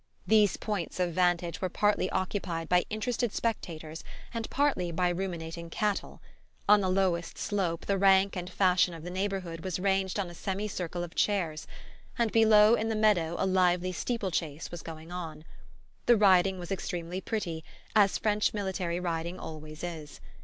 These points of vantage were partly occupied by interested spectators and partly by ruminating cattle; on the lowest slope, the rank and fashion of the neighbourhood was ranged on a semi circle of chairs, and below, in the meadow, a lively steeple chase was going on. The riding was extremely pretty, as French military riding always is.